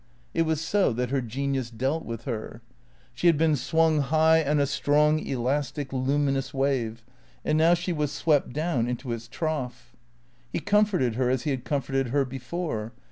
It was so that her genius dealt with her. She had been swung high on a strong elastic, luminous wave; and now she was swept down into its trough. He comforted her as he had comforted her before.